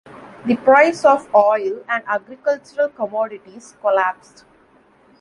The price of oil and agricultural commodities collapsed.